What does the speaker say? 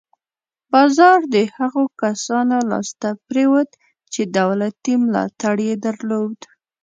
بازار د هغو کسانو لاس ته پرېوت چې دولتي ملاتړ یې درلود.